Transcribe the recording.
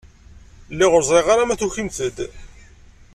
Lliɣ ur ẓriɣ ara ma tukimt-d.